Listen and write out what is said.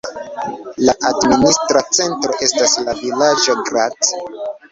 La administra centro estas la vilaĝo Grad.